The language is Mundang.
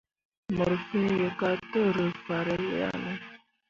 Mor fẽẽ we ka tǝ rǝ fahrel ya ne ?